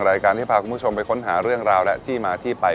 รายการที่พาคุณผู้ชมไปค้นหาเรื่องราวและที่มาที่ไป